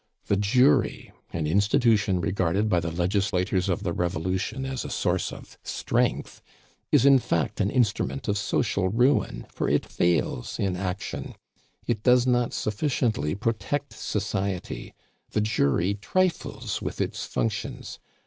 "The jury, an institution regarded by the legislators of the Revolution as a source of strength, is, in fact, an instrument of social ruin, for it fails in action; it does not sufficiently protect society. The jury trifles with its functions.